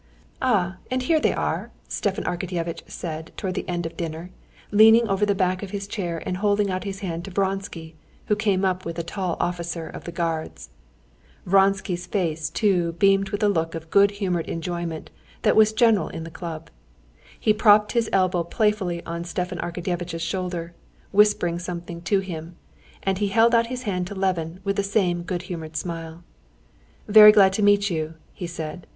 "Ah! and here they are!" Stepan Arkadyevitch said towards the end of dinner, leaning over the back of his chair and holding out his hand to Vronsky, who came up with a tall officer of the Guards. Vronsky's face too beamed with the look of good humored enjoyment that was general in the club. He propped his elbow playfully on Stepan Arkadyevitch's shoulder, whispering something to him, and he held out his hand to Levin with the same good humored smile. "Very glad to meet you," he said.